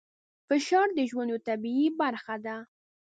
فشار د ژوند یوه طبیعي برخه ده.